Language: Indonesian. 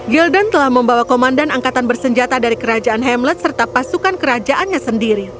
gildan telah membawa komandan angkatan bersenjata dari kerajaan hamlet serta pasukan kerajaannya sendiri